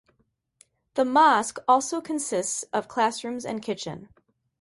The mosque also consists of classrooms and kitchen.